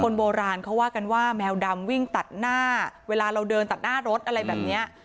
คนโบราณเขาว่ากันว่าแมวดำวิ่งตัดหน้าเวลาเราเดินตัดหน้ารถอะไรแบบเนี้ย